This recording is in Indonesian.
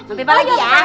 ompimpak lagi ya